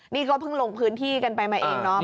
นี่ก็เพิ่งลงพื้นที่กันไปมาเองเนาะ